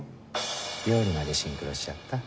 料理までシンクロしちゃった。